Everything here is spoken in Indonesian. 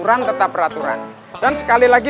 kurang tetap peraturan dan sekali lagi